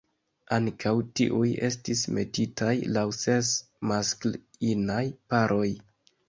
Ankaŭ tiuj estis metitaj laŭ ses maskl-inaj paroj.